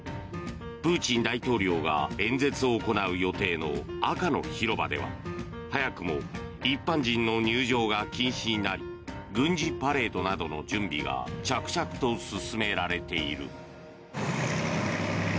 プーチン大統領が演説を行う予定の赤の広場では早くも一般人の入場が禁止になり軍事パレードなどの準備が着々と進められている。